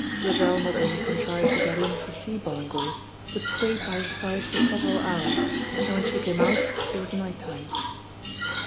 Grizel not only contrived to get in to see Ballingan but stayed by his side for several hours, and when she came out it was night time.